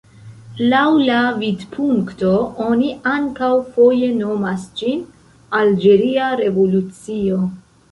Laŭ la vidpunkto, oni ankaŭ foje nomas ĝin "alĝeria revolucio".